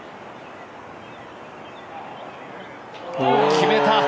決めた！